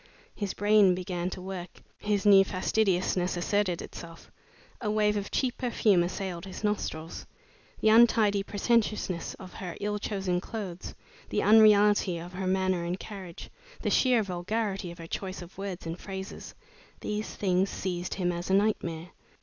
His brain began to work, his new fastidiousness asserted itself. A wave of cheap perfume assailed his nostrils. The untidy pretentiousness of her ill chosen clothes, the unreality of her manner and carriage, the sheer vulgarity of her choice of words and phrases these things seized him as a nightmare.